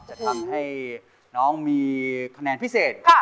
จะทันให้น้องมีพีเศษค่ะ